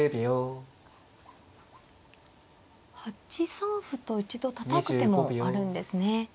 ８三歩と一度たたく手もあるんですね。